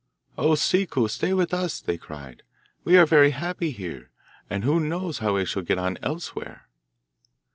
'O Ciccu! stay with us,' they cried. 'We are very happy here; and who knows how we shall get on elsewhere?